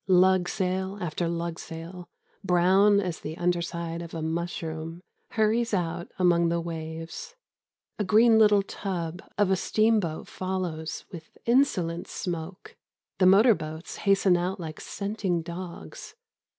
Lug sail after lugsail, brown as the underside of a mushroom, hurries out among the waves. A green little tub of a steamboat follows with insolent smoke. The motor boats hasten out like scenting dogs.